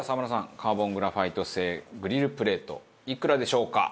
カーボングラファイト製グリルプレートいくらでしょうか？